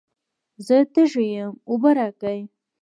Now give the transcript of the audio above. زه تږی یم، اوبه راکئ.